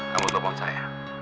kamu telepon saya